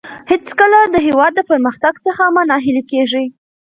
هېڅکله د هېواد د پرمختګ څخه مه ناهیلي کېږئ.